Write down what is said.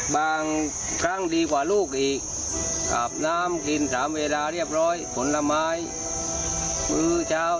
มีการประกอบการสายพันกุญแฮยแดดสุขและสารหมอวาคม